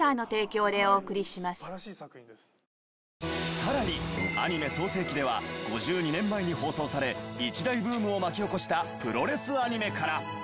更にアニメ創成期では５２年前に放送され一大ブームを巻き起こしたプロレスアニメから。